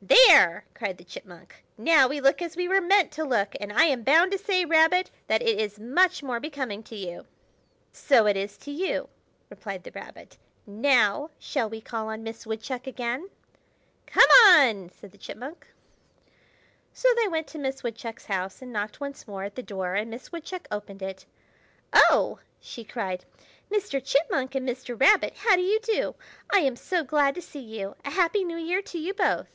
"There!" cried the Chipmunk. "Now we look as we were meant to look; and I am bound to say, Rabbit, that it is much more becoming to you." "So it is to you!" replied the Rabbit. "Now shall we call on Miss Woodchuck again?" "Come on!" said the Chipmunk. So they went to Miss Woodchuck's house, and knocked once more at the door, and Miss Woodchuck opened it. "Oh!" she cried. "Mr. Chipmunk and Mr. Rabbit, how do you do? I am so glad to see you. A happy New Year to you both!"